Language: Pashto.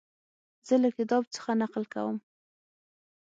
زه له کتاب څخه نقل کوم.